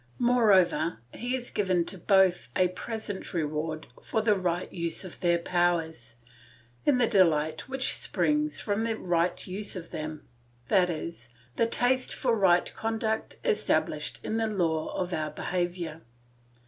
Moreover, he has given to both a present reward for the right use of their powers, in the delight which springs from that right use of them, i.e., the taste for right conduct established as the law of our behaviour.